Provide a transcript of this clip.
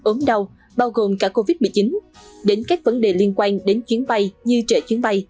ốm đau bao gồm cả covid một mươi chín đến các vấn đề liên quan đến chuyến bay như trợ chuyến bay